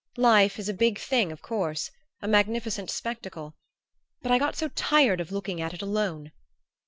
Life is a big thing, of course; a magnificent spectacle; but I got so tired of looking at it alone!